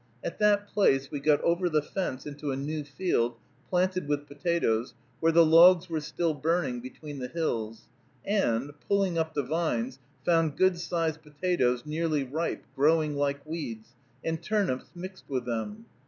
At that place we got over the fence into a new field, planted with potatoes, where the logs were still burning between the hills; and, pulling up the vines, found good sized potatoes, nearly ripe, growing like weeds, and turnips mixed with them.